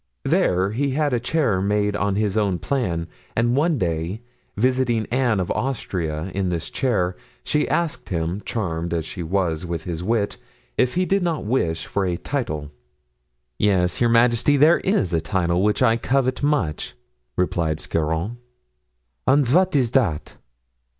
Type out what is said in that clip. There he had a chair made on his own plan, and one day, visiting Anne of Austria in this chair, she asked him, charmed as she was with his wit, if he did not wish for a title. "Yes, your majesty, there is a title which I covet much," replied Scarron. "And what is that?"